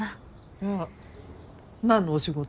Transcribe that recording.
あら何のお仕事？